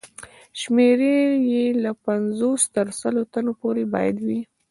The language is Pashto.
شمېر یې له پنځوس تر سلو تنو پورې باید وي.